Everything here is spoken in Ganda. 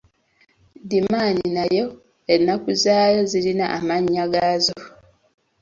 Ddimani nayo ennaku zaayo zirina amannya gaazo.